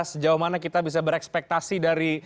sejauh mana kita bisa berekspektasi dari